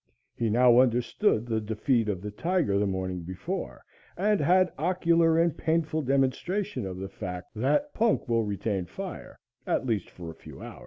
He now understood the defeat of the tiger the morning before, and had ocular and painful demonstration of the fact that punk will retain fire, at least for a few hours.